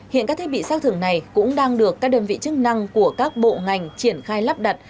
hiện các thiết bị xác thưởng này cũng đang được các đơn vị chức năng của các bộ ngành triển khai lắp đặt